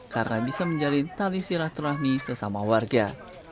karena bisa menjadi tali silat rahmi sesama warga